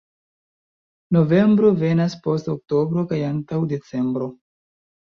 Novembro venas post oktobro kaj antaŭ decembro.